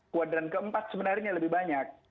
kuadran keempat sebenarnya lebih banyak